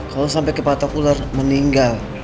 kalau sampai kepatok ular meninggal